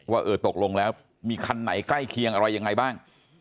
ว่าเออตกลงแล้วมีคันไหนใกล้เคียงอะไรยังไงบ้าง